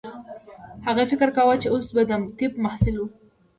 هغې فکر کاوه چې اوس به د طب محصله وه